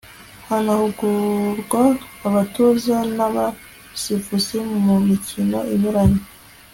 hanahugurwa abatoza n'abasifuzi mu mikino inyuranye